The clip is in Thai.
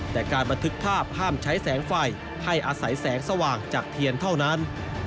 แต่การบันทึกภาพห้ามใช้แสงไฟให้อาศัยแสงสว่างจากเทียนเท่านั้น